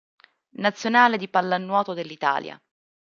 Nazionale di pallanuoto dell'Italia